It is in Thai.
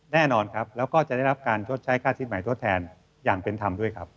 แน่นอนครับแล้วก็จะได้รับการชดใช้ค่าสินใหม่ทดแทนอย่างเป็นธรรมด้วยครับ